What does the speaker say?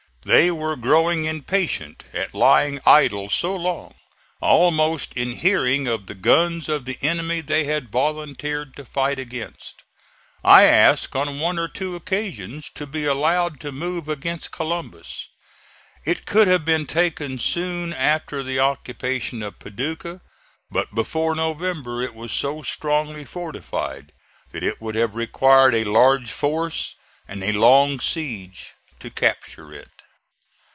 They were growing impatient at lying idle so long, almost in hearing of the guns of the enemy they had volunteered to fight against. I asked on one or two occasions to be allowed to move against Columbus. It could have been taken soon after the occupation of Paducah; but before November it was so strongly fortified that it would have required a large force and a long siege to capture it.